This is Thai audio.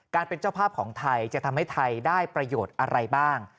เป็นเจ้าภาพของไทยจะทำให้ไทยได้ประโยชน์อะไรบ้าง